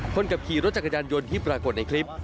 คนขับขี่รถจักรยานยนต์ที่ปรากฏในคลิป